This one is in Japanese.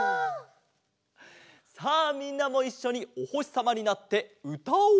さあみんなもいっしょにおほしさまになってうたおう！